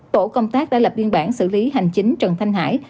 tổ công tác đã lập biên bản xử lý hành chính trần thanh hải